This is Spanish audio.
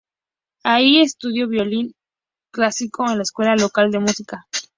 Allí estudió violín clásico en la escuela local de música.